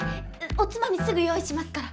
おつまみすぐ用意しますから。